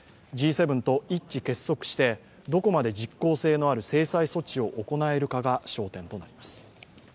Ｇ７と一致結束してどこまで実効性のある制裁措置を行えるかが焦点となります。